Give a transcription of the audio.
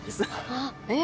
あええっ。